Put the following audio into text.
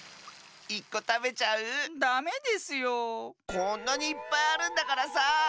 こんなにいっぱいあるんだからさ。